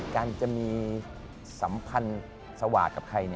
การจะมีสัมพันธ์สวาสกับใคร